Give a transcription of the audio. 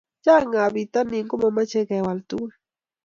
Chang ab pitanin ko mamache kewal tugun